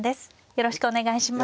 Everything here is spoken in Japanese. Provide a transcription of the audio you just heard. よろしくお願いします。